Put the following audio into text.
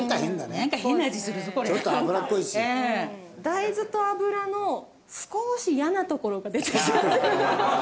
大豆と油の少し嫌なところが出てきちゃった。